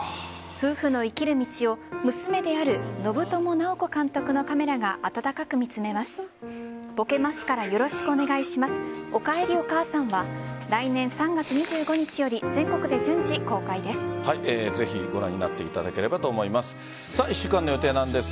夫婦の生きる道を娘である信友直子監督のカメラが温かく見つめます。